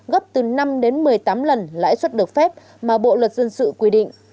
gấp từ năm đến một mươi tám lần lãi suất được phép mà bộ luật dân sự quy định